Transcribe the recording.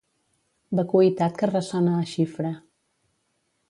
Vacuïtat que ressona a xifra.